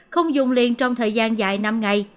không dùng liền trong thời gian dài năm ngày